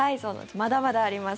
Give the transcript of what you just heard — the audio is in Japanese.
まだまだあります。